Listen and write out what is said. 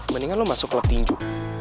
mendingan lo masuk klub tinju